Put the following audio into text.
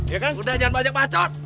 ya kan udah jangan banyak macet